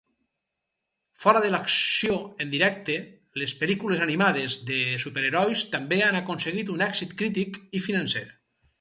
Fora de l'acció en directe, les pel·lícules animades de superherois també han aconseguit un èxit crític i financer.